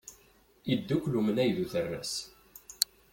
Iddukel umnay d uterras.